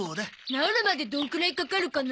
治るまでどんくらいかかるかな？